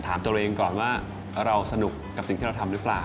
ถามตัวเองก่อนว่าเราสนุกกับสิ่งที่เราทำหรือเปล่า